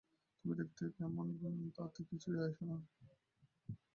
তুমি দেখতে কেমন তাতে কিছুই যায় আসে না।